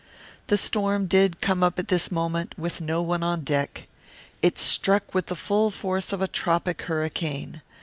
The storm did come up at this moment, with no one on deck. It struck with the full force of a tropic hurricane.